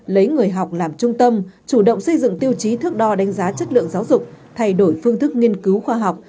lấy người học làm trung tâm chủ động xây dựng tiêu chí thước đo đánh giá chất lượng giáo dục thay đổi phương thức nghiên cứu khoa học